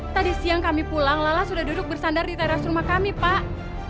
tadi siang kami pulang lala sudah duduk bersandar di teras rumah kami pak